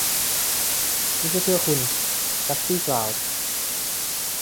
ไม่ใช่เพื่อคุณ. กัซซี่กล่าว